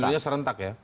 ibu ibu nya serentak ya